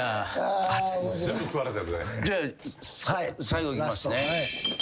じゃあ最後いきますね。